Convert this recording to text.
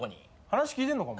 話聞いてんのか？